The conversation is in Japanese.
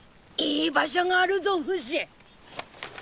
いい場所があるぞフシ！